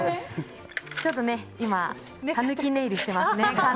ちょっと今タヌキ寝入りしてますね。